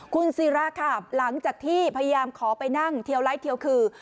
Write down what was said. คุณศิราค่ะหลังจากที่พยายามขอไปนั่งเทียวไลท์เทียวคือ